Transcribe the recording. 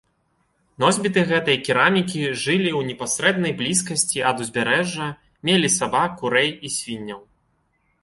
Носьбіты гэтай керамікі жылі ў непасрэднай блізкасці ад узбярэжжа, мелі сабак, курэй і свінняў.